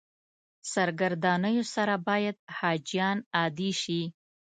سرګردانیو سره باید حاجیان عادي شي.